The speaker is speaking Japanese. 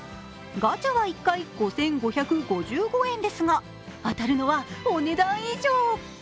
ガチャは１回５５５５円ですが、当たるのはお値段以上。